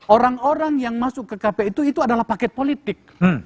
orang orang yang masuk ke kpu itu itu adalah paket politik